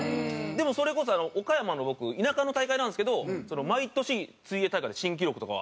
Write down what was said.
でもそれこそ岡山の僕田舎の大会なんですけど毎年水泳大会で新記録とか。